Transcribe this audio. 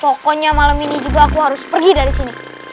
pokoknya malam ini juga aku harus pergi dari sini